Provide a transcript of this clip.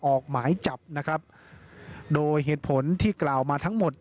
ออกหมายจับนะครับโดยเหตุผลที่กล่าวมาทั้งหมด